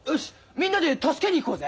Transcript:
みんなで助けに行こうぜ。